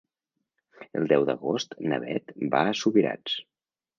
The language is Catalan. El deu d'agost na Beth va a Subirats.